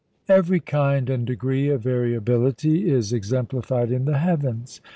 Every kind and degree of variability is exemplified in the heavens.